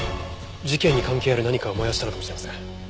事件に関係ある何かを燃やしたのかもしれません。